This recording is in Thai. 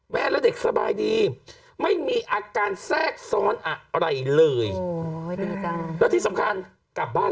แม่และเด็กสบายดีไม่มีอาการแทรกซ้อนอะไรเลยแล้วที่สำคัญกลับบ้าน